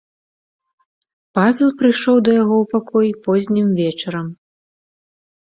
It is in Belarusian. Павел прыйшоў да яго ў пакой познім вечарам.